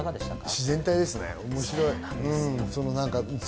自然体ですよね、面白い。